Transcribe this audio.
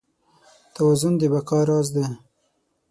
توازن د بقا راز دی.